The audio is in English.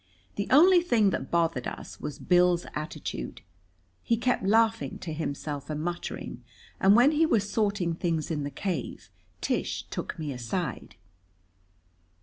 The only thing that bothered us was Bill's attitude. He kept laughing to himself and muttering, and when he was storing things in the cave, Tish took me aside.